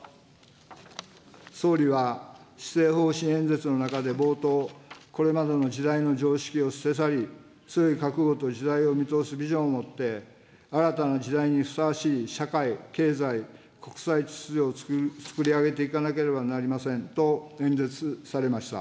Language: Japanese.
総理は施政方針演説の中で冒頭、これまでの時代の常識を捨て去り、強い覚悟と時代を見通すビジョンをもって、新たな時代にふさわしい社会、経済、国際秩序を創り上げていかなければなりませんと演説されました。